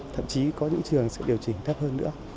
thậm chí có những trường sẽ điều chỉnh thấp hơn nữa